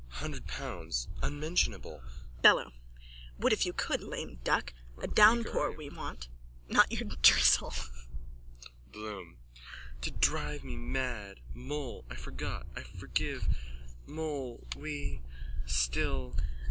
Hundred pounds. Unmentionable. I... BELLO: Would if you could, lame duck. A downpour we want not your drizzle. BLOOM: To drive me mad! Moll! I forgot! Forgive! Moll... We... Still...